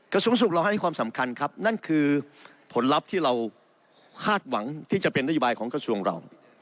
กระทรวงสุขเราให้ความสำคัญครับนั่นคือผลลัพธ์ที่เราคาดหวังที่จะเป็นนโยบายของกระทรวงเรา